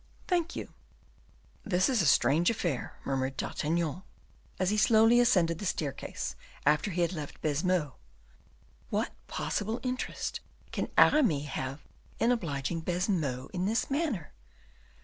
"Thank you." "This is a strange affair," murmured D'Artagnan, as he slowly ascended the staircase after he had left Baisemeaux. "What possible interest can Aramis have in obliging Baisemeaux in this manner?